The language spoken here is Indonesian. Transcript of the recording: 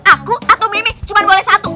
aku atau meme cuma boleh satu